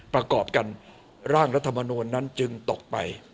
ประกอบกันร่างรัฐมนูลนั้นจึงตกไป